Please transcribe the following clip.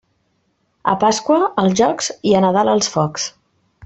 A Pasqua els jocs i a Nadal els focs.